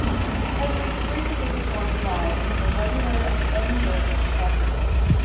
Hegley frequently performs live and is a regular at the Edinburgh Festival.